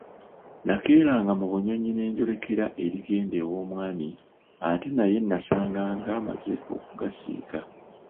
Nakeeranga mu bunyonyi ne njolekera erigenda ew'omwami ate naye nasanganga amaze okugasiika.